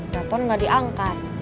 telepon enggak diangkat